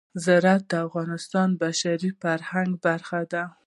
زراعت د افغانستان د بشري فرهنګ برخه ده.